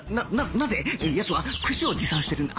なぜ奴は串を持参してるんだ？